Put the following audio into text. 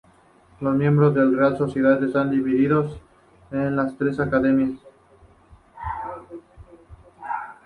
Los miembros de la Real Sociedad están divididos en tres academias.